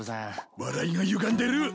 笑いがゆがんでる。